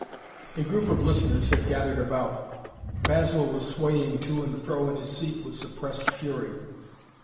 A group of listeners had gathered about. Basil was swaying to and fro in his seat with suppressed fury.